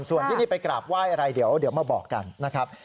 ส่วนที่นี่ไปกราบไหว้อะไรเดี๋ยวมาบอกกันนะครับ